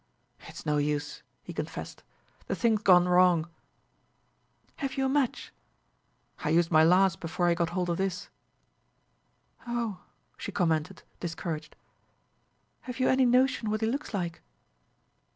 "It's no use," he confessed. "The thing's gone wrong." "Have you a match?" "I used my last before I got hold of this." "Oh," she commented, discouraged. "Have you any notion what he looks like?"